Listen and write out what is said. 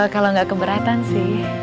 kalau gak keberatan sih